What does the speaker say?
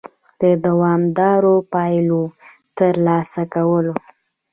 د دوامدارو پایلو د ترلاسه کولو